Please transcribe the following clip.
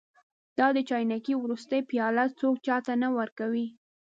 دا د چاینکې وروستۍ پیاله څوک چا ته نه ورکوي.